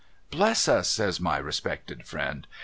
' Bless us !' says my respected friend.